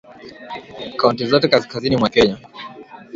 Kaunti zote kaskazini mwa Kenya